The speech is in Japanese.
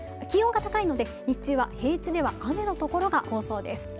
気温が高いので日は平地では雨の所が多そうです